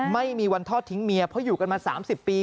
ไม่มีวันทอดทิ้งเมียเพราะอยู่กันมา๓๐ปี